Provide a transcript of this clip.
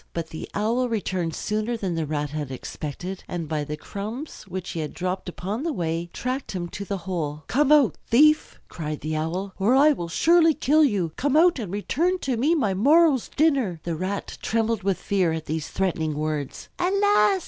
But the Owl returned sooner than the Rat had expected, and by the crumbs which he had dropped upon the way tracked him to the hole. "Come out, thief!" cried the Owl, "or I will surely kill you. Come out and return to me my morrow's dinner." The Rat trembled with fear at these threatening words. "Alas!"